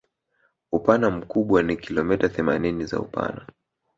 Upana mkubwa ni kilometa themanini za upana